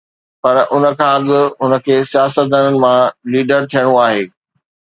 پر ان کان اڳ هن کي سياستدان مان ليڊر ٿيڻو آهي.